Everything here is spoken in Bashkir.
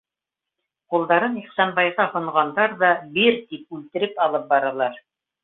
Ҡулдарын Ихсанбайға һонғандар ҙа: «Бир», - тип үлтереп алып баралар.